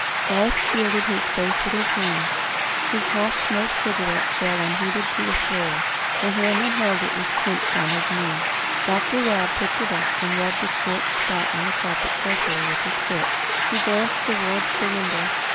Garth shielded his face with his hand. His half smoked cigarette fell unheeded to the floor. The hand that had held it was clenched on his knee. Dr. Rob picked it up, and rubbed the scorched spot on the carpet carefully with his foot. He glanced towards the window.